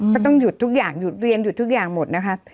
ก็ต้องหยุดทุกอย่างหยุดเรียนหยุดทุกอย่างหมดนะคะ